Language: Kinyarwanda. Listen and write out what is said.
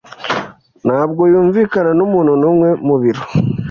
Ntabwo yumvikana numuntu numwe mubiro.